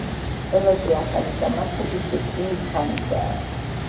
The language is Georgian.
ყველაზე ახალი სამარხები კი რკინის ხანისაა.